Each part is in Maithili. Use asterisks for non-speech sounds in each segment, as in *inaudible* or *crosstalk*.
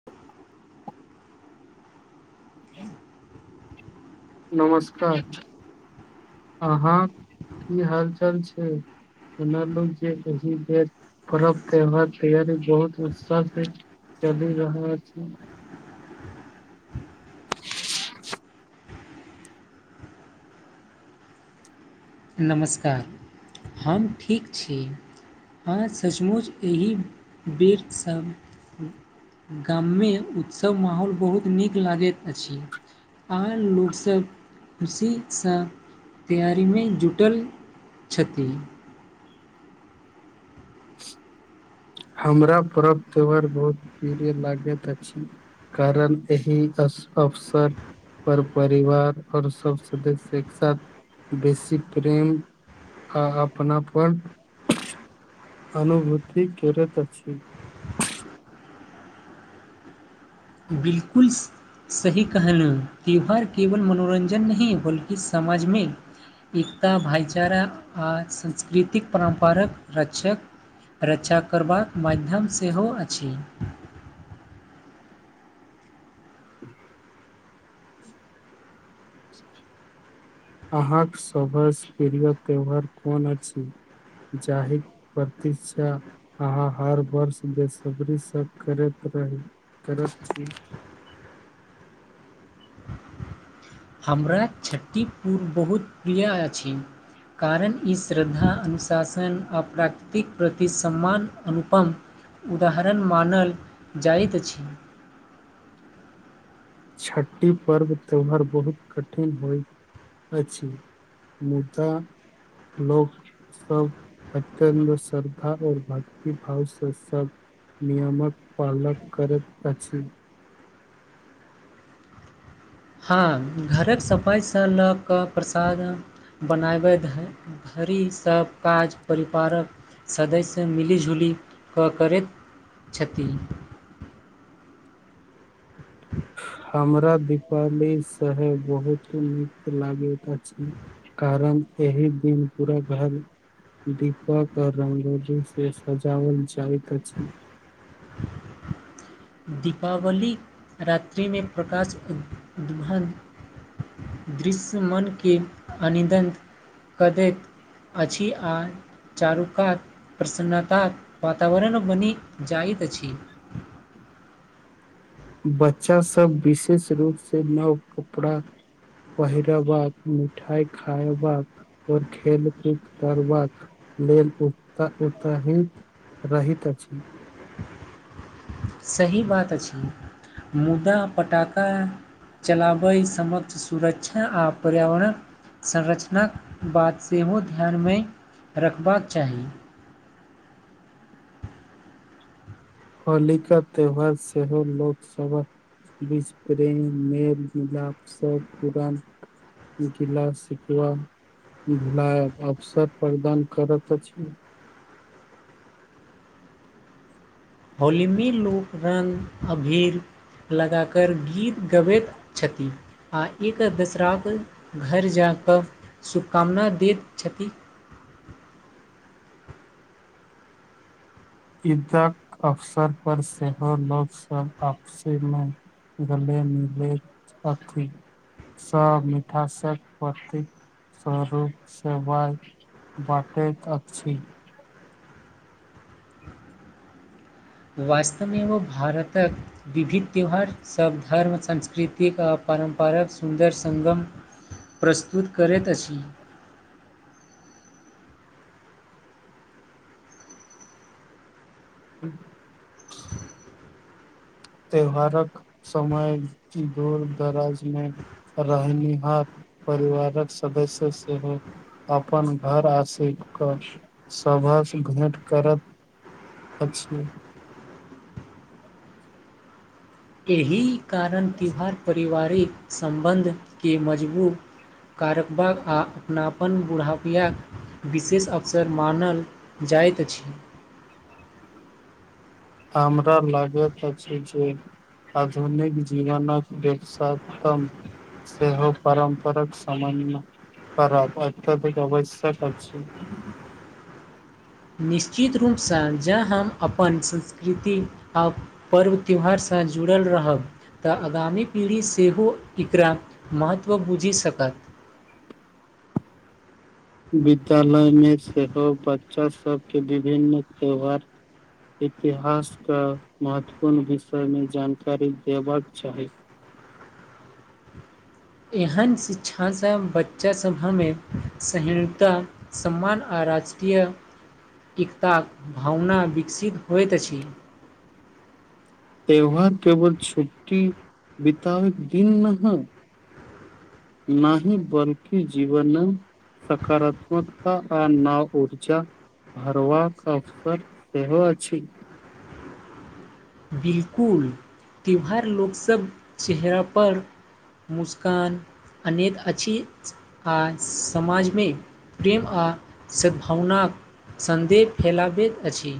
*inaudible* नमस्कार अहाँ की हाल चाल छै बना जे कह परब त्योहार तैयरी बहुत उत्साह छै चली रहै छै नमस्कार हम ठीक छी हँ सचमुच एहि बेर सभ गाममे उत्सव माहौल बहुत नीक लागैत अछि आन लोकसब खुशीसँ तैयारीमे जुटल छथि हमरा परव त्योहार बहुत प्रिय लागैत अछि कारण एहि अवसर पर परिवार आओर सब सदस्य एक साथ बेसी प्रेम आ अपनापन अनुभूति करैत अछि बिलकुल सही कहलू त्यौहार केवल मनोरञ्जन नहि बल्कि समाजमे एकता भाइचारा आ सांस्कृतिक परम्परक रक्षक रक्षा करबाक माध्यम सेहो अछि अहाँक सभसँ प्रिय त्यौहार कोन अछि जाहिर परति आह हर बर्ष बेसबरी स इंतजार करैत अछि हमरा छ्ठीपुजा बहुत प्रिय अछि कारण ई श्रद्धा अनुशासन आ प्राकृतिक प्रति सम्मान अनुपम उदाहरण मानल जाइत अछि छ्ठी पर्व त्यौहार बहुत कठिन होइ अछि मुदा लोक सब अत्यन्त श्रद्धा आऔर भक्ति भाव से सब नियमक पालन करैत अछि हँ, घरकऽ सफाइसँ लऽ कऽ प्रसाद बनाबैत हइ घरि सभ काज परिवारक सदस्य मिलिजुलि कऽ करैत छथि। *unintelligible* हमरा दीपावलीसे बहुत नीक लागैत अछि। कारण एहि दिन पूरा घर। दीपक रंगगोलीसे सजाओल जाइत अछि। दीपावली रातिमे प्रकाश उदभन। दृश्य मनके अनिदत करतै। अछि आ। चारुकात, प्रसन्नत वातावरण बनि जाइत अछि। बच्चा सभ विशेष रूपसे नव कपड़ा पहिरबाक मिठाइ खायबाक और खेल कूद करबाक। लेल उ ओते ही रहैत अछि। सही बात अछि मुदा पटाखा। चलाबय समक्त, सुरक्षा आ पर्यावरण संरचनाकऽ बात सेहो ध्यानमे रखबाक चाही। होली का त्यौहार सेहो लोकसभ। बिच मेल *unintelligible* मिलप सभ पुरान गिला सिकबा भुलाय अवसर प्रदान करत अछि। होलीमे लोग रंग अबीर लगाकर गीत गबैत छथि। आ एक दोसराके घर जा कऽ शुभकामना दैत छथि। ईदक अवसर पर सेहो लोकसभ अफसेमे। गले नीले साथी। सभ मिठासक प्रति स्वरूप सेवाय। बटैत अछि। वास्तवमे एगो भारत। विविध, त्यौहार सभ धर्म सांस्कृतिक आ पारम्परिक, सुन्दर संगम। प्रस्तुत करैत अछि। हू त्यौहारक, समयक दूर दराजमे रहनिहार, परिवारक सदस्य सेहो अपन घर आसरित कऽ सभसँ भेट करत। अछि। एहि कारण त्यौहार, पारिवारिक सम्बन्धके मजबूत कारकवा आ अपनापन बुढ़ापिया। विशेष अवसर मानल जाइत अछि। हमरा लागैत अछि। जे आधुनिक जीवनक ववसतम। सेहो परम्पराक समनमे खराब अत्यधिक अवशा छै। निश्चित रूपसँ ज हम अपन संस्कृति आ पर्व त्यौहारसँ जुड़ल रहब। तऽ आगामी पीढ़ी सेहो एकरा महत्व बुझि सकत। विद्यालयमे सेहो बच्चा सभके विभिन्न त्यौहार इतिहासके महत्वपूर्ण विषयमे जानकारी देबाक चाही। एहन शिक्षासँ बच्चासभ हमे सहिणुता सम्मान आ राजकीय। एकताक भावना विकसित होइत अछि त्यौहार केवल छुट्टी बितब दिन नह नाहि बल्कि जीवन सकारात्मकता आ नाव ऊर्जा भरवाक अवसर सेहो अछि बिलकुल त्योहार लोकसभ चेहरापर मुस्कान अनेत अछि आ समाज मे प्रेम आ सद्भावनाक सन्देह फैलाबैत अछि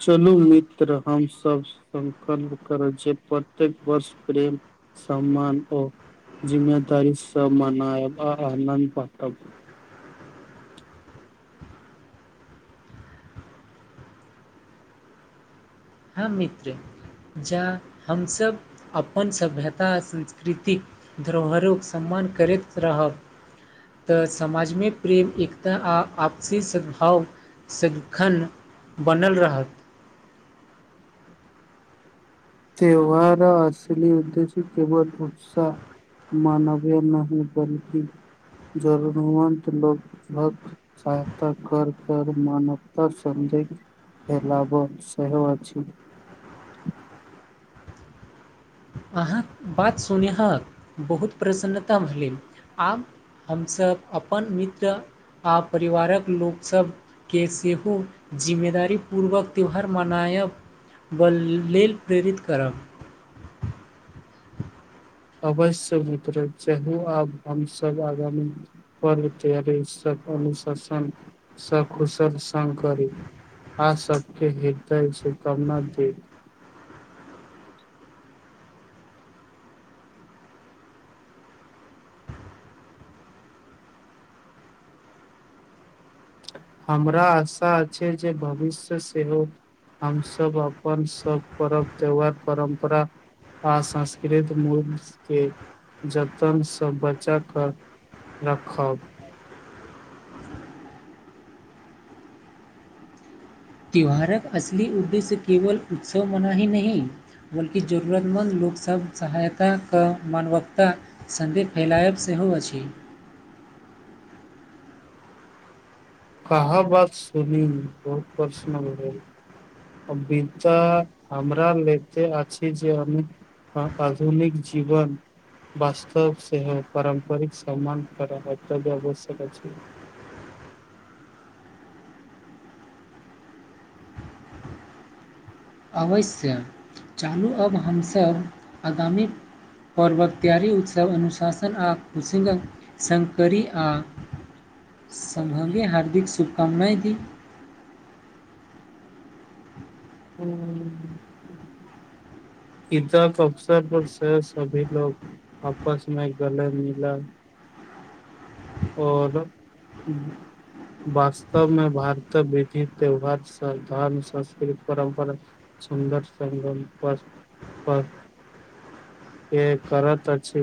चलू मित्र हमसभ संकल्प करए छिये प्रत्येक वर्ष प्रेम सम्मान ओ जिम्मेदारी सँ मनायब आ आनन्द बाँटब हँ मित्र जाँ हमसभ अपन सभ्यता संस्कृति धरोहरोक सम्मान करैत रहब त समाज मे प्रेम एकता आ आपसी सद्भाव सदिखन बनल रहत त्यौहार असली उद्देश्य केवल उत्साह मानवीय नहि बल्कि जरूरमंत लगभग सहायता कर कर मानवता सन्दिगध हे लाभो सेहो अछि अहाँ बात सुनहक बहुत प्रसन्नता भेलै आब हमसभ अपन मित्र आ परिवारक लोकसभ के सेहो जिम्मेदारीपूर्वक त्यौहार मनायब बल लेल प्रेरित करब अवश्य मित्र चाहू आब हमसब आगामी पर्व तर अनुशासन सखुशल स करी *unintelligible* आ सबके हृदय सँ करना दे हमरा आशा अछि जे भविष्य सेहो हमसब अपन सब पर्व त्यौहार परम्परा आ संस्कृत मूल के जतन से बचा क रखब त्यौहारक असली उद्देश्य केवल उत्सव मनाही नहि बल्कि जरूरतमन्द लोक सब सहायता क मानवकता सन्देह फैलायब सेहो अछि कहाँ बात सुनी बहुत पर्सनल भेल वित हमरा लेत आ छी जे अनु आधुनिक जीवन वास्तव सेहो पारम्परिक सम्मान कर मत्य *unintelligible* आवश्यक अछि अवश्य चाहलू अब हमसभ आगामी पर्वत त्यारी उत्सव अनुशासन आ कुशिंग शंकरी आ समभगे हार्दिक शुभकामनाय दी हूंम्म *inaudible* *inaudible* इदक अवसर पर सेहो सभी लोग आपस मे गले मिलल ओर वास्तवमे भारत विधि त्यौहार धर्म संस्कृति परम्परा सुन्दर स ब ब *unintelligible* के करत अछि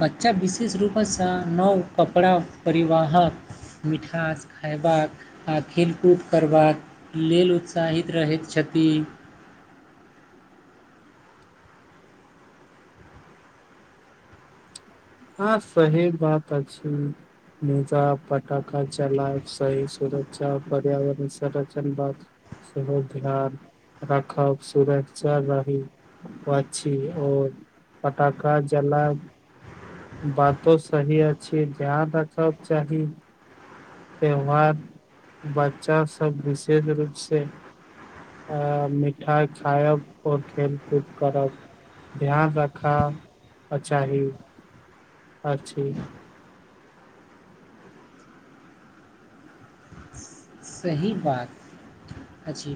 बच्चा विशेष रूप सँ नव कपड़ा परिवाहक मिठास खायबाक आ खेलकूद करबाक लेल उत्साहित रहैत छथि हँ सही बात अछि निजा फटाका चला सही सुर्षा पर्यावरण संरचण बात सेहो ध्यान राखब सुरक्षा बारी ओ अछी ओ पटाका जला बातो सही अछी ध्यान रखब चाही त्यौहार बच्चा सब विशेद रूप से अ मिठाइ खायब ओर खेल कूद करब ध्यान रखा चाही अछि सही बात अछि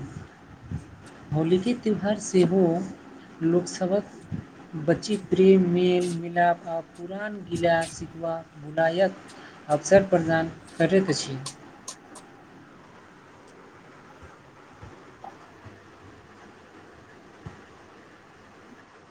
होली की त्यौहार सेहो लोक सभ बच्ची प्रेम मेन मिलाप आ पुरान गिला सिखबा भुलायत अवसर प्रनाम करैत अछि